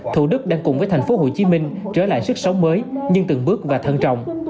thủ đức đang cùng với tp hcm trở lại sức sống mới nhưng từng bước và thân trọng